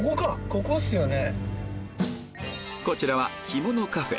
ここっすよね。